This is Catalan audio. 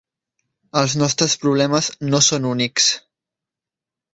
Els nostres problemes no són únics.